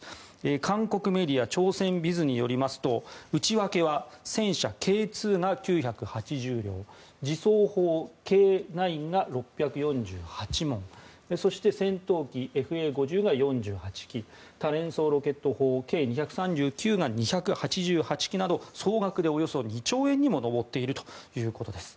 韓国メディア朝鮮ビズによりますと内訳は戦車Ｋ２が９８０両自走砲Ｋ９が６４８門そして、戦闘機ＦＡ５０が４８機多連装ロケット砲Ｋ２３９が２８８基など総額で、およそ２兆円にも上っているということです。